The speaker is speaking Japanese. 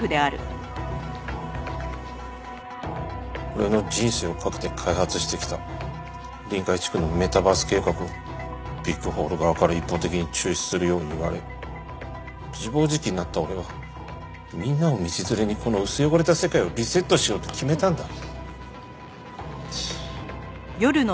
俺の人生をかけて開発してきた臨海地区のメタバース計画をビッグホール側から一方的に中止するように言われ自暴自棄になった俺はみんなを道連れにこの薄汚れた世界をリセットしようと決めたんだ。